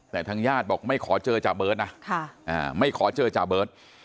แต่ทางญาติบอกไม่ขอเจอจ่าเบิร์ตนะไม่ขอเจอจ่าเบิร์ต